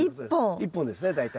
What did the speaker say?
１本ですね大体。